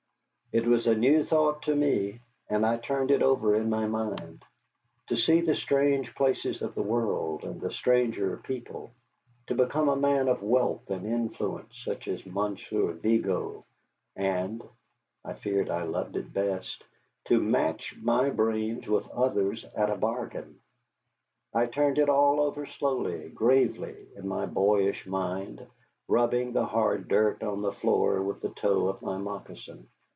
It was a new thought to me, and I turned it over in my mind. To see the strange places of the world, and the stranger people; to become a man of wealth and influence such as Monsieur Vigo; and (I fear I loved it best) to match my brains with others at a bargain, I turned it all over slowly, gravely, in my boyish mind, rubbing the hard dirt on the floor with the toe of my moccasin.